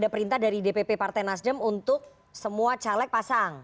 ada perintah dari dpp partai nasdem untuk semua caleg pasang